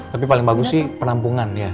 tapi paling bagus sih penampungan ya